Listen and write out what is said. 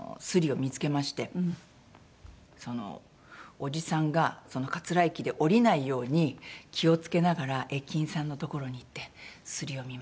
おじさんが桂駅で降りないように気を付けながら駅員さんのところに行って「スリを見ました」って。